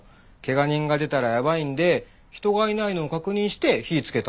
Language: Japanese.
怪我人が出たらやばいんで人がいないのを確認して火つけたんすから。